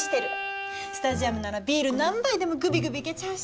スタジアムならビール何杯でもグビグビいけちゃうし。